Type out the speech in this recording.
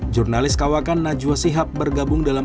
jurnalis kawakan najwa sihab bergabung dalam